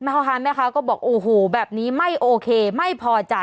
พ่อค้าแม่ค้าก็บอกโอ้โหแบบนี้ไม่โอเคไม่พอใจ